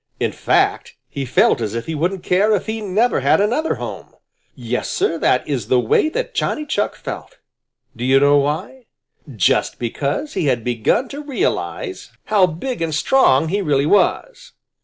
In fact, he felt as if he wouldn't care if he never had another home. Yes, Sir, that is the way that Johnny Chuck felt. Do you know why? Just because he had just begun to realize how big and strong he really was.